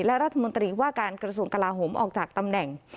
และรัฐมนตรีว่าการกระทรวงกลาโหมออกจากตำแหน่ง